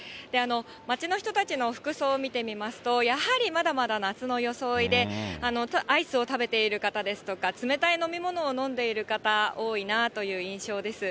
街の人たちの服装を見てみますと、やはりまだまだ夏の装いで、アイスを食べている方ですとか、冷たい飲み物を飲んでいる方、多いなという印象です。